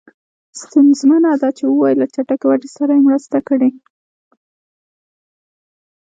ستونزمنه ده چې ووایو له چټکې ودې سره یې مرسته کړې.